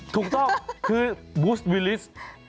ถูกต้องวู้ฮ์บูฮ์วีริส